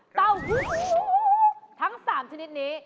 ตาวุทั้งสามชนิดนี้